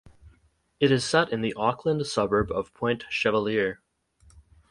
It is set in the Auckland suburb of Point Chevalier.